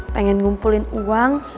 pengen ngumpulin uang